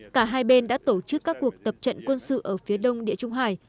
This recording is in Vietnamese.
cả hai bên đã tổ chức các cuộc tập trận quân sự ở phía đông địa trung hải